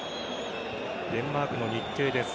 デンマークの日程です。